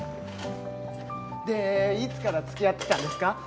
でいつから付き合ってたんですか？